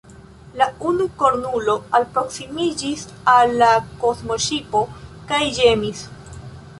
La unukornulo alproskimiĝis al la kosmoŝipo kaj ĝemis.